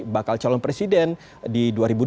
bakal calon presiden di dua ribu dua puluh